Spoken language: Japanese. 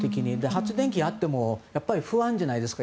発電機があっても不安じゃないですか